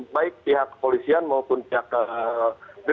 baik pihak kepolisian maupun pihak kepolisian